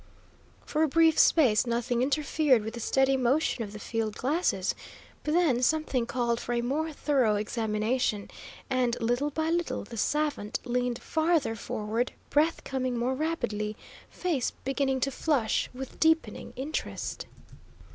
For a brief space nothing interfered with the steady motion of the field glasses, but then something called for a more thorough examination, and little by little the savant leaned farther forward, breath coming more rapidly, face beginning to flush with deepening interest.